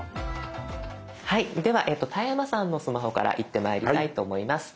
はいでは田山さんのスマホからいってまいりたいと思います。